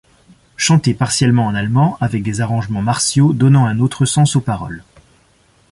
Chantée partiellement en allemand, avec des arrangements martiaux, donnant un autre sens aux paroles.